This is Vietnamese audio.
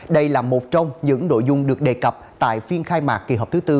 đây là một trong những nội dung được đề cập tại phiên khai mạc kỳ họp thứ tư